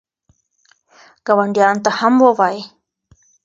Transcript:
ګاونډیانو ته هم ووایئ.